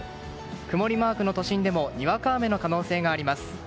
曇りマークの都心でもにわか雨の可能性があります。